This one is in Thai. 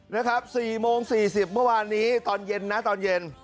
นะครับ๔โมง๔๐เมื่อวานนี้ตอนเย็นนะตอนเย็น